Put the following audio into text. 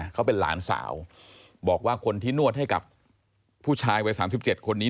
เขาเป็นหลานสาวบอกว่าคนที่นวดให้กับผู้ชายวัย๓๗คนนี้